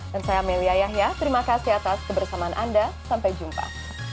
dan saya amelia yahya terima kasih atas kebersamaan anda sampai jumpa